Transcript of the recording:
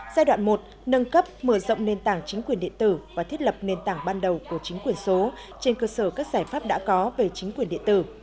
giai đoạn một nâng cấp mở rộng nền tảng chính quyền điện tử và thiết lập nền tảng ban đầu của chính quyền số trên cơ sở các giải pháp đã có về chính quyền điện tử